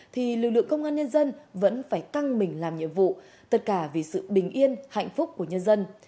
thì lực lượng công an nhân dân vẫn phải căng mình làm nhiệm vụ tất cả vì sự bình yên hạnh phúc của nhân dân